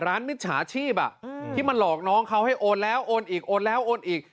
มิจฉาชีพที่มาหลอกน้องเขาให้โอนแล้วโอนอีกโอนแล้วโอนอีก